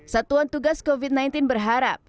satuan tugas covid sembilan belas berharap